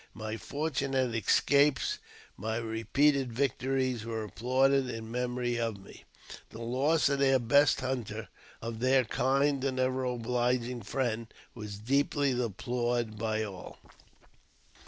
My fortunate escapes, my repeated victories were applauded in memory of me ; the loss of their best hunter, of their kind and ever obliging friend, was deeply deplored by all.